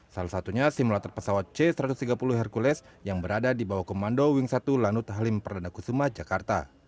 salah satunya simulator pesawat c satu ratus tiga puluh hercules yang berada di bawah komando wing satu lanut halim perdana kusuma jakarta